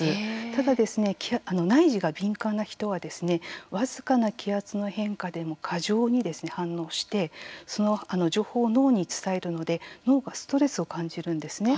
ただ、内耳が敏感な人は僅かな気圧の変化でも過剰に反応してその情報を脳に伝えるので脳がストレスを感じるんですね。